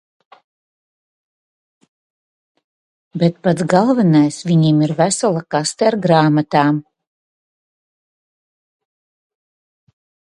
Bet pats galvenais, viņiem ir vesela kaste ar grāmatām.